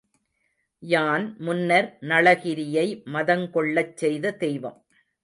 யான் முன்னர் நளகிரியை மதங்கொள்ளச் செய்த தெய்வம்.